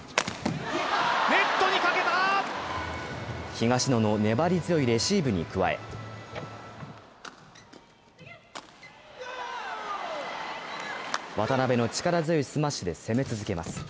東野の粘り強いレシーブに加え渡辺の力強いスマッシュで攻め続けます。